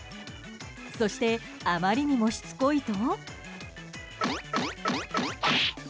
そしてあまりにもしつこいと。